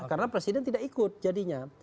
karena presiden tidak ikut jadinya